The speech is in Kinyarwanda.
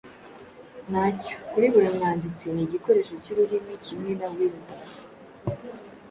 nacyo (kuri buri mwanditsi ni igikoresho cy'ururimi kimwe na wielder).